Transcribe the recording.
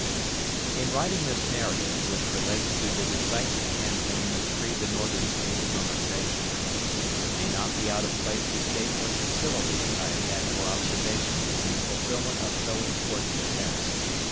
In writing ths narrative, which relates to the decisive campaign which freed the Northern States from invasion, it may not be out of place to state what facilities I have had for observation in the fulfilment of so important a task.